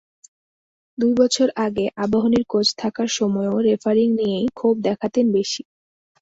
দুই বছর আগে আবাহনীর কোচ থাকার সময়ও রেফারিং নিয়েই ক্ষোভ দেখাতেন বেশি।